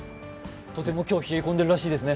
とても今日、冷え込んでるらしいですね。